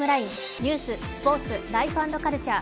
ニュース、スポーツ、ライフ＆カルチャー